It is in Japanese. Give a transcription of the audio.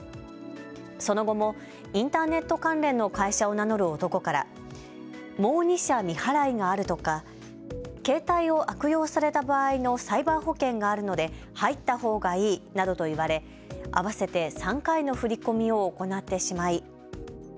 その後もインターネット関連の会社を名乗る男からもう２社未払いがあるとか携帯を悪用された場合のサイバー保険があるので入ったほうがいいなどと言われ合わせて３回の振り込みを行ってしまい。